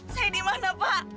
saya dimana pak